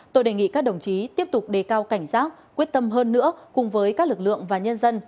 tôi đề nghị các đồng chí tiếp tục đề cao cảnh giác quyết tâm hơn nữa cùng với các lực lượng và nhân dân